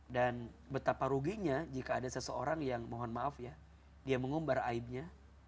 dan betapa ruginya jika ada seseorang yang mohon maaf ya dia mengumbar aibnya